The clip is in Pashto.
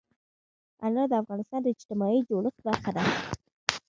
انار د افغانستان د اجتماعي جوړښت برخه ده.